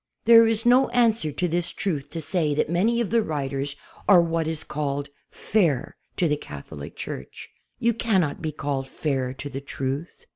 It is no answer to this truth to say that many of the writers are what is called "fair" to the Catholic Church. You cannot be called "fair" to the truth.